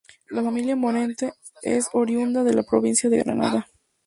La familia Morente es oriunda de la provincia de Granada.